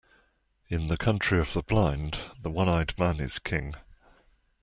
In the country of the blind, the one-eyed man is king.